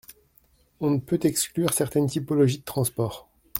On ne peut exclure certaines typologies de transport.